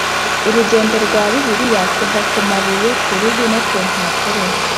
urugendo rwa bibiliya kuva ku mabuye, kuruhu no ku mpapuro